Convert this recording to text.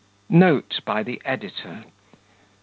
Note by the Editor.